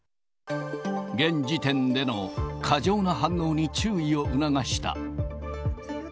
現時点での過剰な反応に注意を促した。